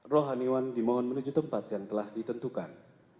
rohaniwan dimohon menuju tempat yang telah ditentukan